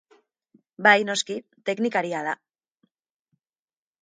Bai noski, teknikaria da.